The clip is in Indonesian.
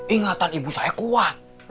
ingatan ibu saya kuat